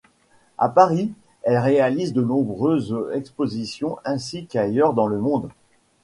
A Paris, elle réalise de nombreuses expositions ainsi qu'ailleurs dans le monde.